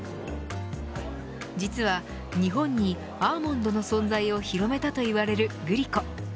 実は日本にアーモンドの存在を広めたといわれるグリコ。